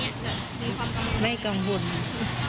เวลาเดินทางไปกลับจากจังหยัดอะไรอย่างนี้